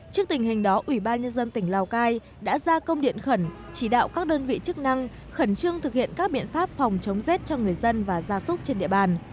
trước tình hình đó ủy ban nhân dân tỉnh lào cai đã ra công điện khẩn chỉ đạo các đơn vị chức năng khẩn trương thực hiện các biện pháp phòng chống rét cho người dân và gia súc trên địa bàn